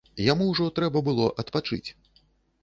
Яму ўжо трэба было адпачыць.